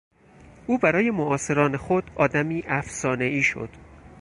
او برای معاصران خود آدمی افسانهای شد.